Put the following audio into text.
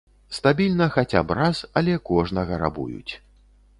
Стабільна хаця б раз, але кожнага рабуюць.